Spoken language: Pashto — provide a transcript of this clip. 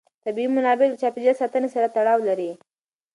طبیعي منابع د چاپېر یال ساتنې سره تړاو لري.